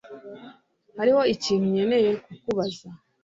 Hariho ikintu nkeneye kukubaza